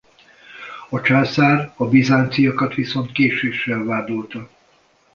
A császár a bizánciakat viszont késéssel vádolta.